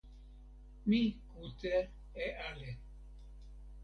mi kute e ale.